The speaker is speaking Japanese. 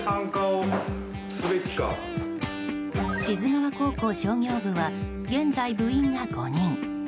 志津川高校商業部は現在、部員が５人。